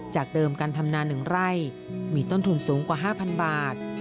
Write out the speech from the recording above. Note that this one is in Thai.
จากเดิมการทำนา๑ไร่มีต้นทุนสูงกว่า๕๐๐บาท